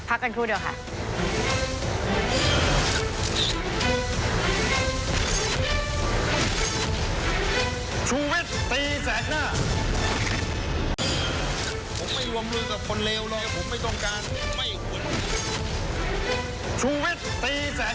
ผักกันคู่เดี๋ยวค่ะ